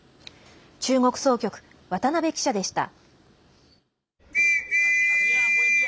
中国総局、渡辺記者でした。